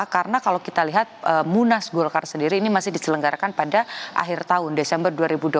karena kalau kita lihat munas golkar sendiri ini masih diselenggarakan pada akhir tahun desember dua ribu dua puluh